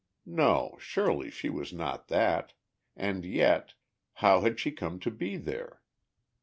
No, surely she was not that, and yet how had she come to be there?